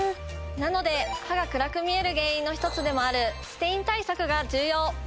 なので歯が暗く見える原因の１つでもあるステイン対策が重要！